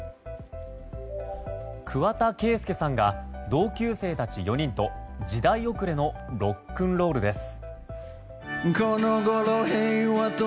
桑田佳祐さんが同級生たち４人と時代遅れのロックンロールです。